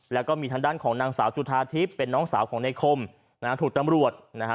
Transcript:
แล้วก็มีทางด้านของนางสาวจุธาทิพย์เป็นน้องสาวของในคมนะฮะถูกตำรวจนะฮะ